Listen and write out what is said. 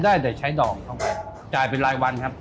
ได้แต่ใช้ดอกเข้าไปจ่ายเป็นรายวันครับ